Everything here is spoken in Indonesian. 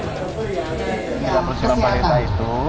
di dalam musim amalita itu